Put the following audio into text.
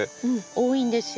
多いんですよ。